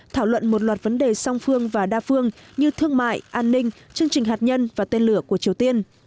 thảo luận một loạt vấn đề song phương và đa phương như thương mại an ninh chương trình hạt nhân và tên lửa của triều tiên